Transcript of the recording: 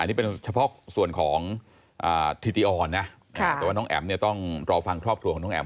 นี่เป็นเฉพาะส่วนของธิติออนนะแต่ว่าน้องแอ๋มเนี่ยต้องรอฟังครอบครัวของน้องแอ๋ม